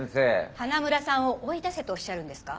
花村さんを追い出せとおっしゃるんですか？